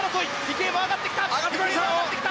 池江も上がってきた！